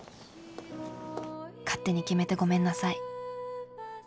勝手に決めてごめんなさい。